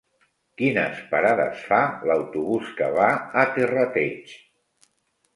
Quines parades fa l'autobús que va a Terrateig?